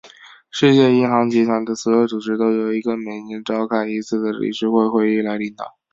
世界银行集团的所有组织都由一个每年召开一次的理事会会议来领导。